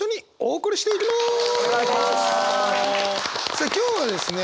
さあ今日はですね